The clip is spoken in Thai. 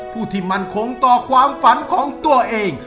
ผู้ที่มั่นคงต่อความฝันของตัวเอง